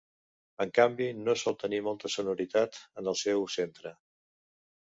En canvi, no sol tenir molta sonoritat en el seu centre.